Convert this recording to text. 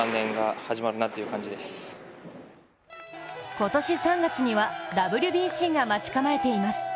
今年３月には、ＷＢＣが待ち構えています。